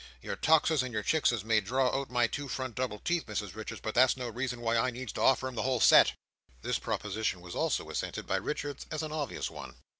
Your Toxes and your Chickses may draw out my two front double teeth, Mrs Richards, but that's no reason why I need offer 'em the whole set." This proposition was also assented to by Richards, as an obvious one.